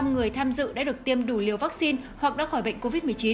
một mươi người tham dự đã được tiêm đủ liều vaccine hoặc đã khỏi bệnh covid một mươi chín